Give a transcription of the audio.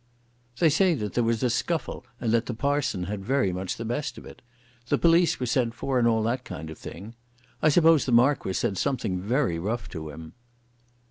"They say that there was a scuffle and that the parson had very much the best of it. The police were sent for, and all that kind of thing. I suppose the Marquis said something very rough to him."